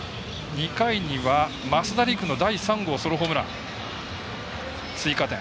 ２回には、増田陸の第３号ソロホームラン。追加点。